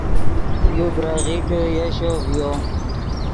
یو بریغیکے یشو ڤیو